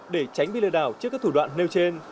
để tránh bị lừa đảo trước các thủ đoạn nêu trên